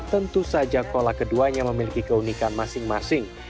tentu saja kolak keduanya memiliki keunikan masing masing